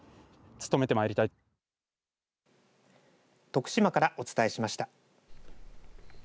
徳島からお伝えしました。